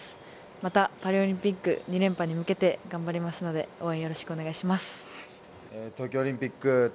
またパリオリンピック２連覇に向けて頑張りますので応援